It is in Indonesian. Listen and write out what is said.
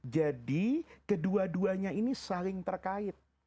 jadi kedua duanya ini saling terkait